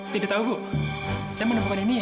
tidak tahu bu saya menemukan ini di rumah